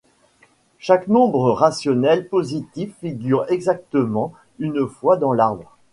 Chaque nombre rationnel positif figure exactement une fois dans l’arbre.